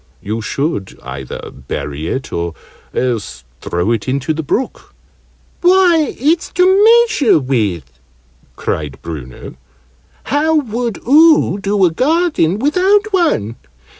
"You should either bury it, or else throw it into the brook." "Why, it's to measure with!" cried Bruno. "How ever would oo do a garden without one?